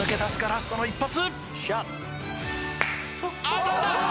ラストの１発！